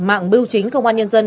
mạng bưu chính công an nhân dân